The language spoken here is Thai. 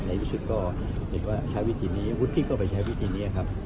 รู้สึกก็เห็นว่าใช้วิธีนี้วุฒิก็ไปใช้วิธีนี้ครับ